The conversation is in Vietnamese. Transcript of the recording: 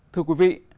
thưa quý vị